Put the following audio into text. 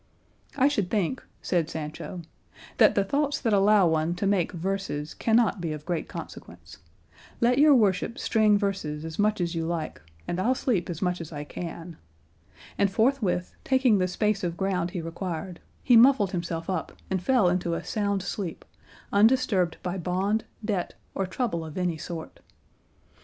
"I should think," said Sancho, "that the thoughts that allow one to make verses cannot be of great consequence; let your worship string verses as much as you like and I'll sleep as much as I can;" and forthwith, taking the space of ground he required, he muffled himself up and fell into a sound sleep, undisturbed by bond, debt, or trouble of any sort.